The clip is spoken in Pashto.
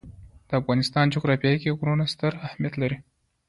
د افغانستان جغرافیه کې غرونه ستر اهمیت لري.